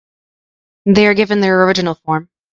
They are given in their original form.